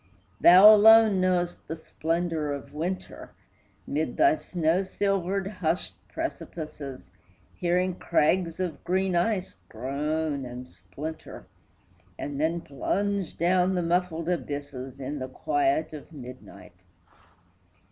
Thou alone know'st the splendor of winter, Mid thy snow silvered, hushed precipices, Hearing crags of green ice groan and splinter, And then plunge down the muffled abysses In the quiet of midnight.